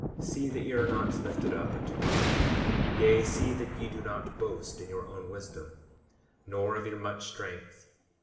38:11 See that ye are not lifted up unto pride; yea, see that ye do not boast in your own wisdom, nor of your much strength.